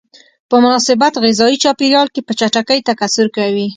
په مناسب غذایي چاپیریال کې په چټکۍ تکثر کوي.